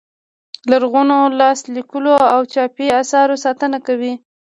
د لرغونو لاس لیکلو او چاپي اثارو ساتنه کوي.